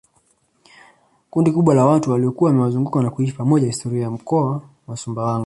kundi kubwa la watu waliokuwa wamewazunguka na kuishi pamoja historia ya mkoa wa sumbawanga